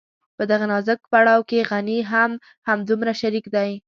په دغه نازک پړاو کې غني هم همدومره شريک دی.